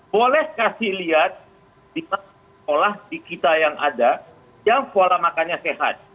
boleh kasih lihat di sekolah di kita yang ada yang pola makannya sehat